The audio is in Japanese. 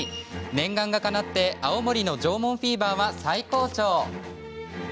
念願がかなって青森の縄文フィーバーは最高潮。